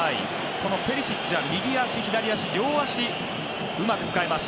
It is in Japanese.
ペリシッチは右足、左足両足をうまく使えます。